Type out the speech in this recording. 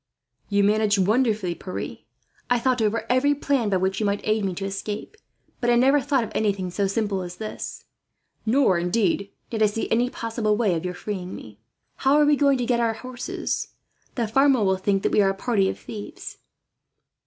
"You managed wonderfully, Pierre. I thought over every plan by which you might aid me to escape, but I never thought of anything so simple as this. Nor, indeed, did I see any possible way of your freeing me. "How are we going to get our horses? The farmer will think that we are a party of thieves."